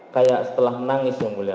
kayak setelah menangis yang mulia